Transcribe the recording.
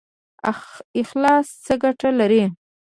اخلاص څه ګټه لري؟